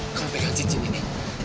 kamu pegang cincin ini